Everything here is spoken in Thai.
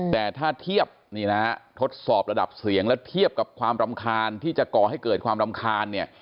แต่ถ้าเทียบนี่นะฮะทดสอบระดับเสียงและเทียบกับความรำคาญที่จะก่อให้เกิดความรำคาญเนี่ย